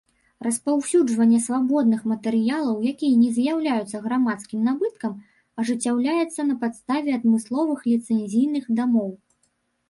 Распаўсюджванне свабодных матэрыялаў, якія не з'яўляюцца грамадскім набыткам, ажыццяўляецца на падставе адмысловых ліцэнзійных дамоў.